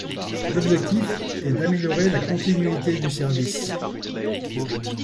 L'objectif est d'améliorer la continuité du service.